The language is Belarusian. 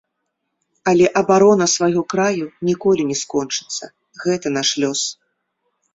Але абарона свайго краю ніколі не скончыцца, гэта наш лёс.